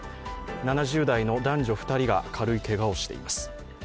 ７０代の男女２人が軽いけがをしています。